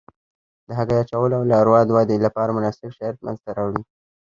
د هګۍ اچولو او لاروا ودې لپاره مناسب شرایط منځته راوړي.